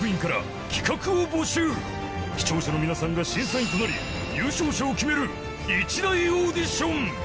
視聴者の皆さんが審査員となり優勝者を決める一大オーディション！